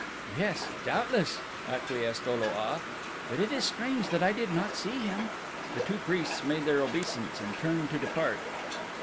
"Yes, doubtless," acquiesced O lo a, "but it is strange that I did not see him." The two priests made their obeisance and turned to depart.